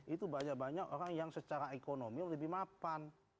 itu banyak banyak orang yang secara ekonomi lebih mapan